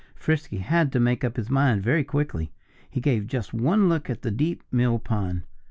Frisky had to make up his mind very quickly. He gave just one look at the deep mill pond.